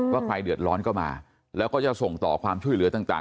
ใครเดือดร้อนก็มาแล้วก็จะส่งต่อความช่วยเหลือต่าง